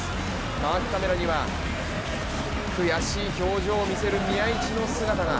マークカメラには悔しい表情を見せる宮市の姿が。